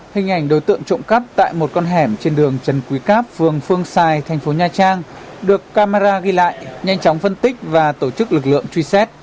hình ảnh đối tượng trộm cắp tại một con hẻm trên đường trần quý cáp phường phương xài thành phố nha trang được camera ghi lại nhanh chóng phân tích và tổ chức lực lượng truy xét